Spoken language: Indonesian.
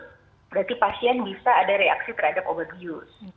berarti pasien bisa ada reaksi terhadap obat bius